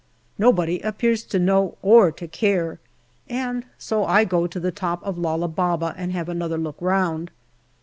Nobody appears to know or to care, and so I go on to the top of Lala Baba and have another look round.